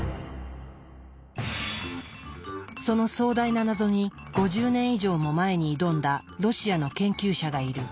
その壮大な謎に５０年以上も前に挑んだロシアの研究者がいる。